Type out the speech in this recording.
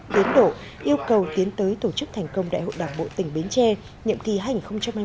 tiến đổ yêu cầu tiến tới tổ chức thành công đại hội đảng bộ tỉnh bến tre nhiệm kỳ hai nghìn hai mươi hai nghìn hai mươi năm